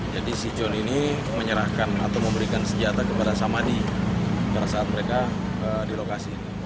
jadi si john ini menyerahkan atau memberikan senjata kepada samadi pada saat mereka di lokasi